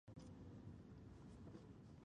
دی غواړي چې موږ هم ډاډه اوسو.